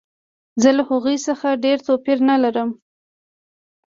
زه له هغوی څخه ډېر توپیر نه لرم